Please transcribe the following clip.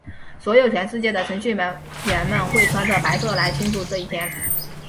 所以全世界的程序员们会穿着白色来庆祝这一天。